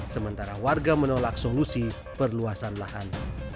sementara warga menolak solusi perluasan lahan